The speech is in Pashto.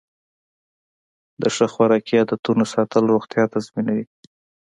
د ښه خوراکي عادتونو ساتل روغتیا تضمینوي.